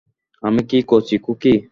আমি কি কচি খুকি?